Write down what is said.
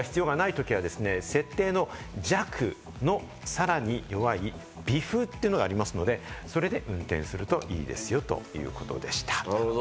あんまり風量が必要ないときは設定の弱のさらに弱い微風っていうのがありますので、それで運転するといいですよということでした。